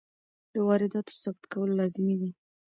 د وارداتو ثبت کول لازمي دي.